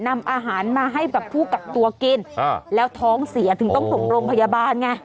นำอาหารมาให้กับผู้กักตัวกินแล้วท้องเสียถึงต้องส่งโรงพยาบาลไง